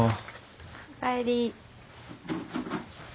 おかえり。